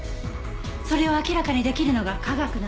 それを明らかに出来るのが科学なの。